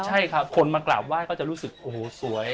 ใช่ครับคนมากราบไห้ก็จะรู้สึกโอ้โหสวย